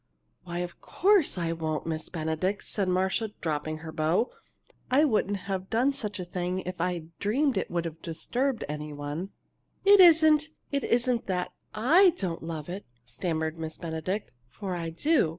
"Why, of course I won't, Miss Benedict," said Marcia, dropping her bow. "I wouldn't have done such a thing if I'd dreamed it would disturb any one." "It isn't it isn't that I don't love it," stammered Miss Benedict, "for I do.